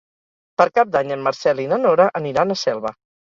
Per Cap d'Any en Marcel i na Nora aniran a Selva.